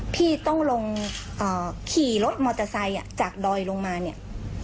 พี่ต้องลงขี่รถมอเตอร์ไซค์จากดอยลงมาเนี่ย